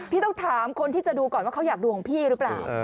ต้องถามคนที่จะดูก่อนว่าเขาอยากดูของพี่หรือเปล่า